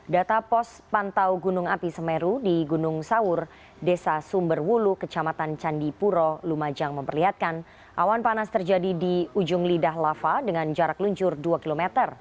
data pos pantau gunung api semeru di gunung sawur desa sumberwulu kecamatan candipuro lumajang memperlihatkan awan panas terjadi di ujung lidah lava dengan jarak luncur dua km